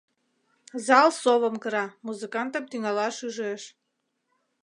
Зал совым кыра, музыкантым тӱҥалаш ӱжеш.